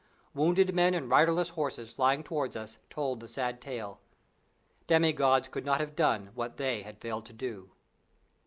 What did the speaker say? Wounded men and riderless horses flying towards us told the sad tale. Demi gods could not have done what they had failed to do.